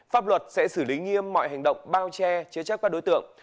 pháp luật sẽ xử lý nghiêm mọi hành động bao che chế chấp các đối tượng